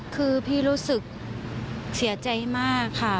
คือพี่รู้สึกเสียใจมากค่ะ